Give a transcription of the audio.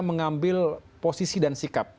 mengambil posisi dan sikap